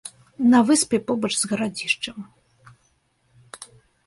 На выспе, побач з гарадзішчам.